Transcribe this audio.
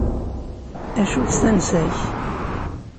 Acu-tt tansa-k?